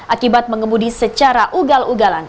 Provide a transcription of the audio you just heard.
akibat mengemudi secara ugal ugalan